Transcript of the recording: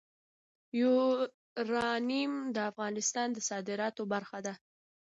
یورانیم د افغانستان د صادراتو برخه ده.